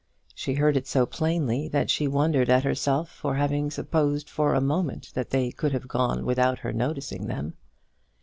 She heard it so plainly, that she wondered at herself for having supposed for a moment that they could have gone without her noticing them.